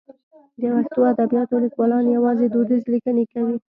د پښتو ادبیاتو لیکوالان یوازې دودیزې لیکنې کوي.